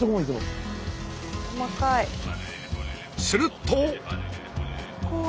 すると！